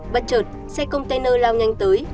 bắt chợt xe container lao nhanh tới